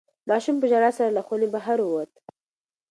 ماشوم په ژړا سره له خونې بهر ووت.